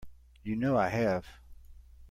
You know I have.